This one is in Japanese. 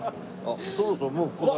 そろそろもうここだね。